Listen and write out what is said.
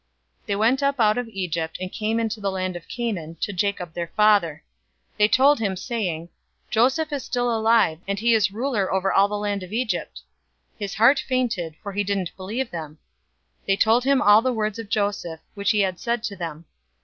045:025 They went up out of Egypt, and came into the land of Canaan, to Jacob their father. 045:026 They told him, saying, "Joseph is still alive, and he is ruler over all the land of Egypt." His heart fainted, for he didn't believe them. 045:027 They told him all the words of Joseph, which he had said to them.